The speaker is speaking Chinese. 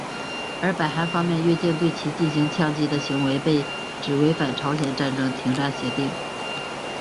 而北韩方面越境对其进行枪击的行为被指违反朝鲜战争停战协定。